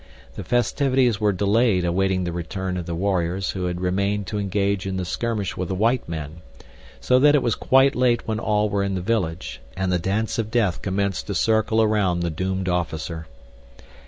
The festivities were delayed awaiting the return of the warriors who had remained to engage in the skirmish with the white men, so that it was quite late when all were in the village, and the dance of death commenced to circle around the doomed officer.